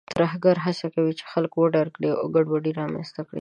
ترهګر هڅه کوي چې خلک وډاروي او ګډوډي رامنځته کړي.